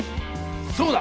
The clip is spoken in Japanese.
そうだ！